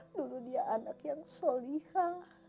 dulu dia anak yang soliha